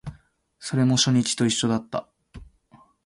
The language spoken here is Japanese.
それも初日と一緒だった